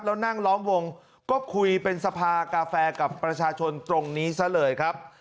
แล้วนั่งล้อมวงก็คุยเป็นสภากาแฟกับประชาชนตรงนี้ซะเลยครับ